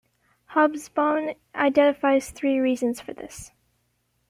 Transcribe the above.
Hobsbawm identifies three reasons for this.